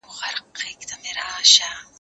زه بايد موسيقي اورم